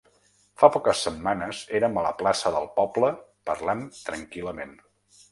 Fa poques setmanes érem a la plaça del poble parlant tranquil·lament.